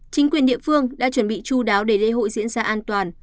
chính quyền địa phương đã chuẩn bị chú đáo để lễ hội diễn ra an toàn